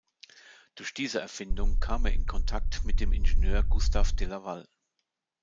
Durch diese Erfindung kam er in Kontakt mit dem Ingenieur Gustaf de Laval.